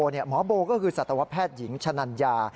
หมอโบก็คือสัตวแพทย์หญิงชะนัญญา